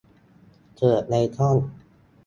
เสิร์ชในช่อง